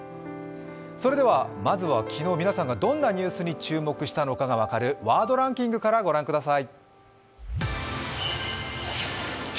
それではまずは昨日皆さんがどんなニュースに注目したのかが分かるワードランキングから御覧ください。